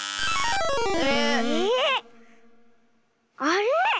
あれ⁉